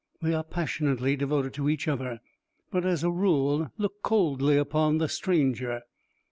They are passionately devoted to each other, but as a rule look coldly upon the stranger.